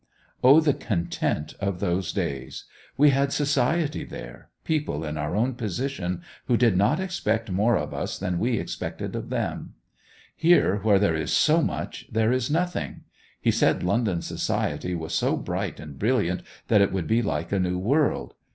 O the content of those days! We had society there, people in our own position, who did not expect more of us than we expected of them. Here, where there is so much, there is nothing! He said London society was so bright and brilliant that it would be like a new world.